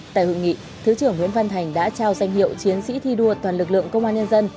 tại hội nghị thứ trưởng nguyễn văn thành đã trao danh hiệu chiến sĩ thi đua toàn lực lượng công an nhân dân